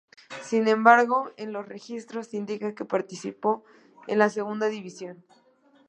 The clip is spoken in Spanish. Sin embargo en los registros indica que participó en la segunda división.